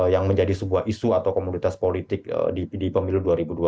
yang menjadi sebuah isu atau komunitas politik di pemilu dua ribu dua puluh